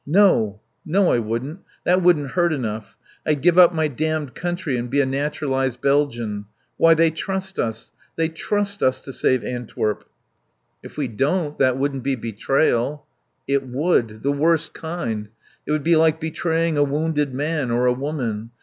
No. No, I wouldn't. That wouldn't hurt enough. I'd give up my damned country and be a naturalized Belgian. Why, they trust us. They trust us to save Antwerp." "If we don't, that wouldn't be betrayal." "It would. The worst kind. It would be like betraying a wounded man; or a woman.